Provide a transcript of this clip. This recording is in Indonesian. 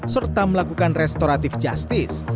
serta melakukan restoratif justice